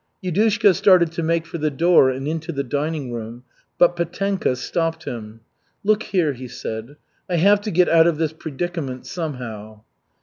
Yudushka started to make for the door and into the dining room, but Petenka stopped him. "Look here," he said, "I have to get out of this predicament somehow."